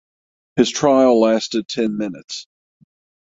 His trial lasted ten minutes.